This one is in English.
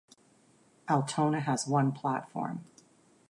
Altona has one platform.